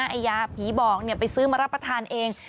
ไอ้ยาผีบอกไปซื้อมารับประทานเอง